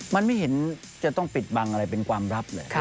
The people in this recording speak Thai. มันไม่เห็นจะต้องปิดบังอะไรเป็นความลับเลย